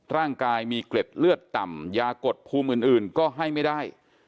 ร่างกายมีเกล็ดเลือดต่ำยากดภูมิอื่นก็ให้ไม่ได้